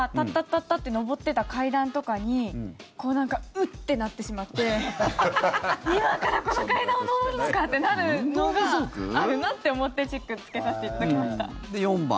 タッタッて上ってた階段とかになんかうっ！ってなってしまって今からこの階段を上るのかってなるのがあるなって思ってチェックつけさせていただきました。